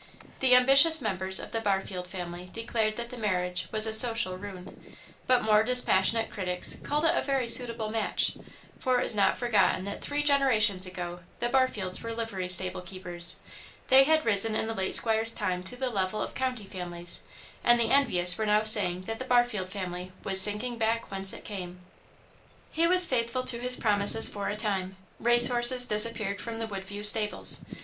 The ambitious members of the Barfield family declared that the marriage was social ruin, but more dispassionate critics called it a very suitable match; for it was not forgotten that three generations ago the Barfields were livery stable keepers; they had risen in the late squire's time to the level of county families, and the envious were now saying that the Barfield family was sinking back whence it came. He was faithful to his promises for a time. Race horses disappeared from the Woodview stables.